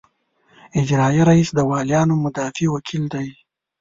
اجرائیه رییس د والیانو مدافع وکیل دی.